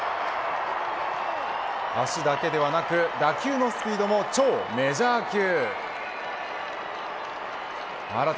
足だけではなく打球のスピードも超メジャー球。